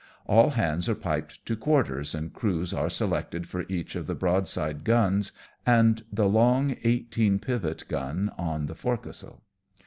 All hands are piped to quarters, and crews are selected for each of the broadside guns, and the long eighteen pivot gun on the forecastle.